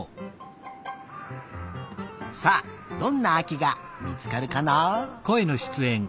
さあどんなあきがみつかるかな？